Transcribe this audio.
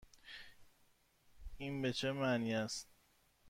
این به چه معنی است؟